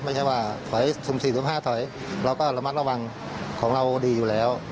ไม่ใช่ว่าถอยสุ่ม๔สุ่ม๕ถอยเราก็ระมัดระวังของเราดีอยู่แล้ว